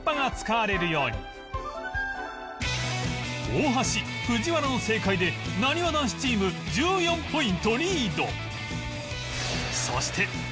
大橋藤原の正解でなにわ男子チーム１４ポイントリード